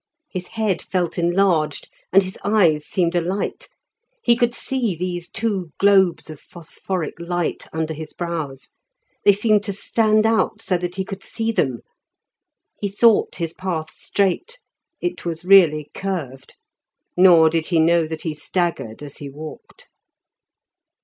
His head felt enlarged, and his eyes seemed alight; he could see these two globes of phosphoric light under his brows. They seemed to stand out so that he could see them. He thought his path straight, it was really curved; nor did he know that he staggered as he walked.